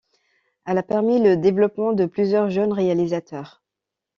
Elle a permis le développement de plusieurs jeunes réalisateurs.